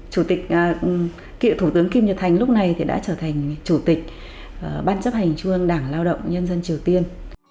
chủ tịch cựu thủ tướng kim nhật thành lúc này đã trở thành chủ tịch ban chấp hành trung ương đảng lao động nhân dân triều tiên